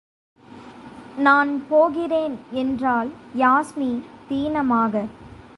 நான் போகிறேன் என்றாள் யாஸ்மி தீனமாக.